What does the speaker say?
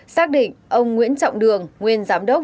xác định ông nguyễn trọng đường nguyên giám đốc